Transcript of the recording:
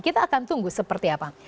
kita akan tunggu seperti apa